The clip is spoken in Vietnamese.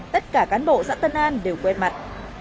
tất cả cán bộ xã tân an đều quét mặt